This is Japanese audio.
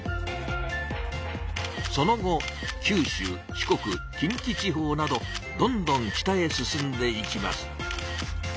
その後九州四国近畿地方などどんどん北へ進んでいきます。